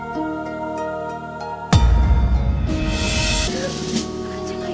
kenapa bisa seperti ini